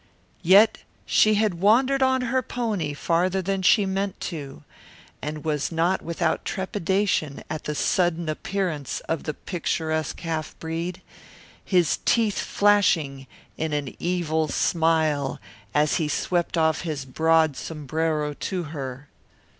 Yet she had wandered on her pony farther than she meant to, and was not without trepidation at the sudden appearance of the picturesque halfbreed, his teeth flashing in an evil smile as he swept off his broad sombrero to her.